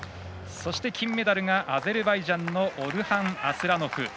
そして金メダルアゼルバイジャンのオルハン・アスラノフ。